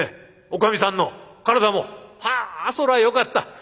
おかみさんの体もはあそらよかった。